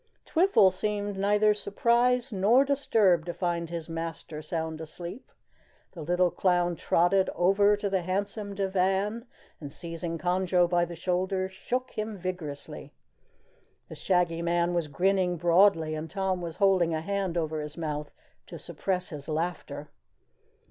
Twiffle seemed neither surprised nor disturbed to find his master sound asleep. The little clown trotted over to the handsome divan and, seizing Conjo by the shoulders, shook him vigorously. The Shaggy Man was grinning broadly, and Tom was holding a hand over his mouth to suppress his laughter.